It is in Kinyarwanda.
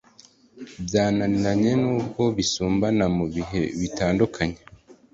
byananiranye n'ubwo bisumbana mu bihe bitandukanye